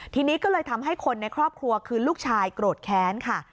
ทีนี้ก็เลยทำให้คนในครอบครัวคือลูกชายโกรธแค้นค่ะ